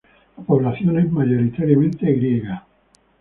La población es mayoritariamente griega.